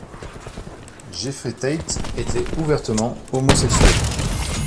Jeffrey Tate était ouvertement homosexuel.